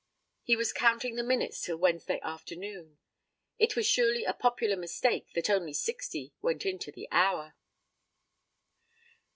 He was counting the minutes till Wednesday afternoon. It was surely a popular mistake that only sixty went to the hour.